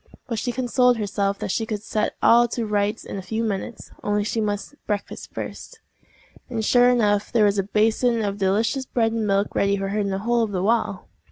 But she consoled herself that she could set all to rights in a few minutes—only she must breakfast first. And, sure enough, there was a basin of the delicious bread and milk ready for her in the hole of the wall!